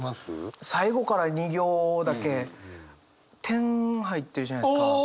最後から２行だけ点入ってるじゃないですか。